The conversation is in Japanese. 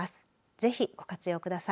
ぜひご活用ください。